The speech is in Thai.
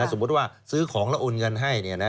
สมมุติว่าซื้อของแล้วโอนเงินให้